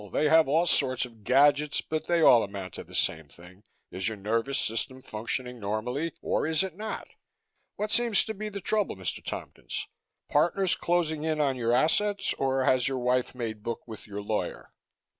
They have all sorts of gadgets but they all amount to the same thing: Is your nervous system functioning normally or is it not? What seems to be the trouble, Mr. Tompkins? Partners closing in on your assets or has your wife made book with your lawyer?"